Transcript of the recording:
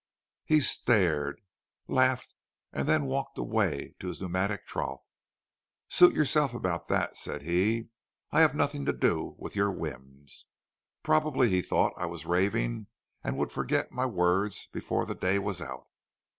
"He stared, laughed, then walked away to his pneumatic trough. 'Suit yourself about that,' said he, 'I have nothing to do with your whims.' Probably he thought I was raving and would forget my words before the day was out.